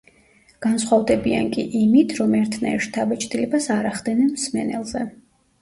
განსხვავდებიან კი იმით, რომ ერთნაირ შთაბეჭდილებას არ ახდენენ მსმენელზე.